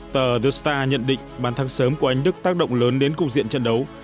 tờ the star nhận định bàn thang sớm của anh đức tác động lớn đến cục diện trận đấu